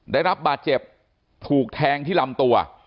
ได้รับบาดเจ็บถูกแทงที่ลำตัว